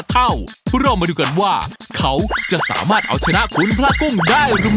เท่าเรามาดูกันว่าเขาจะสามารถเอาชนะคุณพระกุ้งได้หรือไม่